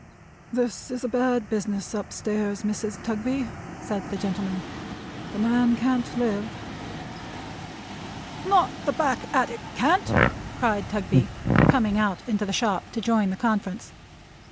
"This is a bad business up stairs, Mrs. Tugby," said the gentleman. "The man can't live." "Not the back attic can't!" cried Tugby, coming out into the shop to join the conference.